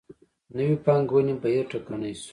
نوې پانګونې بهیر ټکنی شو.